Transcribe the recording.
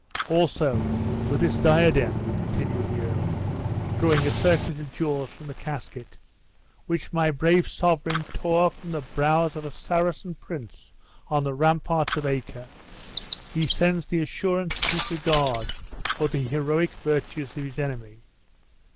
Also, with this diadem," continued the earl, drawing a circlet of jewels from the casket, "which my brave sovereign tore from the brows of a Saracen prince, on the ramparts of Acre, he sends the assurance of his regard for the heroic virtues of his enemy.